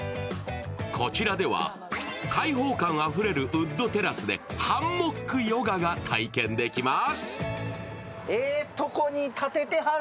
こちらでは開放感あふれるウッドテラスでハンモックヨガが体験できます。